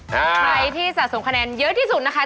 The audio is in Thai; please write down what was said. ใครที่สะสมคะแนนเยอะที่สุดนะคะ